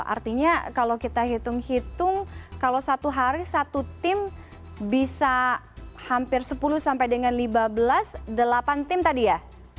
artinya kalau kita hitung hitung kalau satu hari satu tim bisa hampir sepuluh sampai dengan lima belas delapan tim tadi ya